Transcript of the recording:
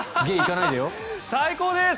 最高です！